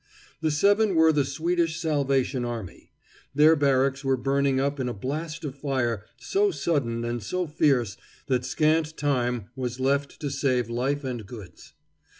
The seven were the Swedish Salvation Army. Their barracks were burning up in a blast of fire so sudden and so fierce that scant time was left to save life and goods.